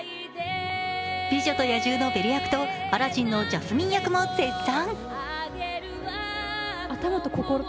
「美女と野獣」のベル役と「アラジン」のジャスミン役も絶賛。